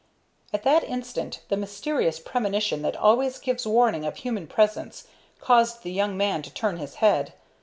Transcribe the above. At that instant the mysterious premonition that always gives warning of human presence caused the young man to turn his head.